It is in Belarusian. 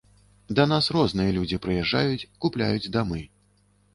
Да нас розныя людзі прыязджаюць, купляюць дамы.